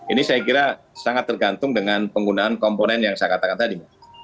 ini saya kira sangat tergantung dengan penggunaan komponen yang saya katakan tadi